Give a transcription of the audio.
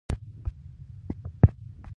ښوروا د روژې خوږه یادګار ده.